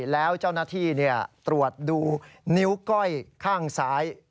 แล้วเจ้าหน้าที่ตรวจดูนิ้วก้อยข้างซ้าย